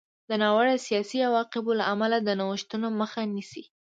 د ناوړه سیاسي عواقبو له امله د نوښتونو مخه نیسي.